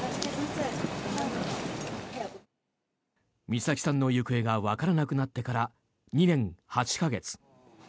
美咲さんの行方がわからなくなってから２年８か月。